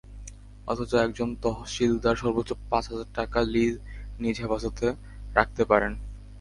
অথচ একজন তহশিলদার সর্বোচ্চ পাঁচ হাজার টাকা নিজ হেফাজতে রাখতে পারেন।